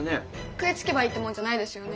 食いつけばいいってもんじゃないですよね？